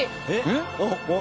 えっ？